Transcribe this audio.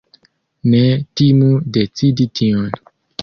Ne timu decidi tion!